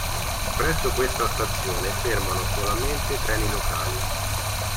Presso questa stazione fermano solamente treni locali.